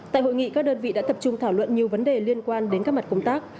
tại hội nghị các đơn vị đã tập trung thảo luận nhiều vấn đề liên quan đến các mặt công tác